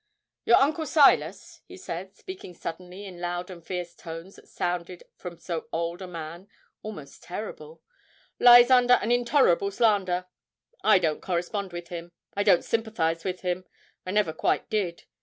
'Your uncle Silas,' he said, speaking suddenly in loud and fierce tones that sounded from so old a man almost terrible, 'lies under an intolerable slander. I don't correspond with him; I don't sympathise with him; I never quite did.